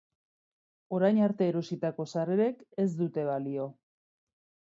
Orain arte erositako sarrerek ez dute balio.